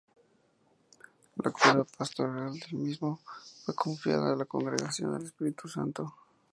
La cura pastoral del mismo fue confiada a la Congregación del Espíritu Santo.